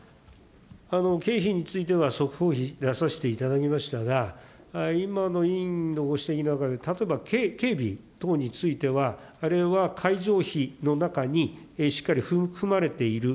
経費については、速報値出させていただきましたが、今の委員のご指摘の中で、例えば、警備等については、あれは会場費の中にしっかり含まれている。